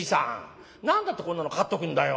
何だってこんなの飼っとくんだよ。